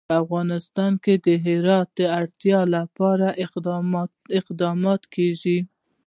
په افغانستان کې د هرات د اړتیاوو لپاره اقدامات کېږي.